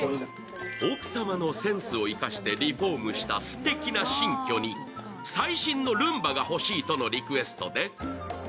奥様のセンスを生かしてリフォームしたすてきな新居に最新のルンバが欲しいとのリクエストで。